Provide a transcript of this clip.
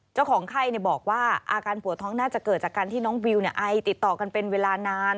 เจ้าของไข้บอกว่าอาการปวดท้องน่าจะเกิดจากการที่น้องวิวไอติดต่อกันเป็นเวลานาน